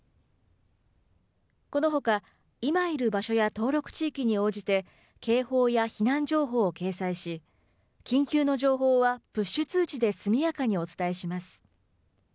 このほか今いる場所や登録地域に応じて警報や避難情報を掲載し緊急の情報はプッシュ通知で速やかにお伝えします。